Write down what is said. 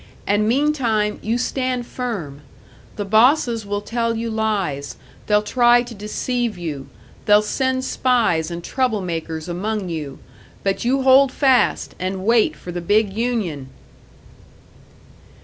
And meantime you stand firm. The bosses will tell you lies, they'll try to deceive you, they'll send spies and trouble makers among you but you hold fast, and wait for the big union."